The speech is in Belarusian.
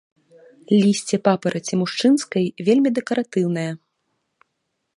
Лісце папараці мужчынскай вельмі дэкаратыўнае.